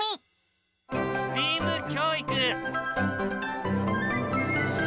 ＳＴＥＡＭ教育。